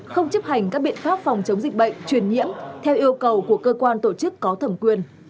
không chấp hành các biện pháp phòng chống dịch bệnh truyền nhiễm theo yêu cầu của cơ quan tổ chức có thẩm quyền